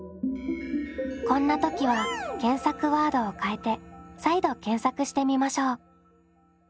こんな時は検索ワードを変えて再度検索してみましょう。